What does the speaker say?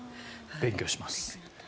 勉強します。